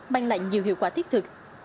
mang lại nhiều hiệu quả thiết thực